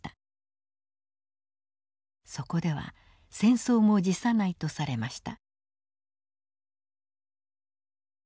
そこでは戦争も辞さないとされました。